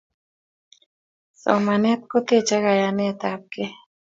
Somanet kotechei kayanet ab kei